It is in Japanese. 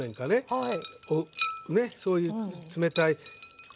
はい。